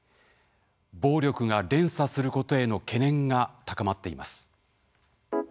暴力が連鎖することへの懸念が高まっています。